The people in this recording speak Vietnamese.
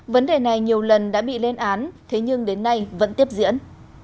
vấn đề này nhiều lần đã bị lên án thế nhưng đến nay vẫn tiếp diễn